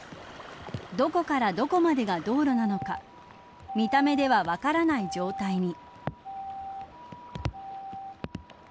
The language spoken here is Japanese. どこからどこまでが道路なのか見た目では分からない状態に。